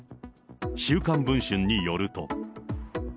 週刊文春によると。